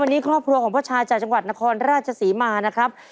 วันนี้ครอบครัวของพ่อชายจากจังหวัดนครราชศรีมานะครับ